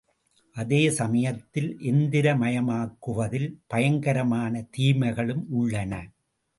அதே சமயத்தில் எந்திரமயமாக்குவதில் பயங்கரமான தீமைகளும் உள்ளன.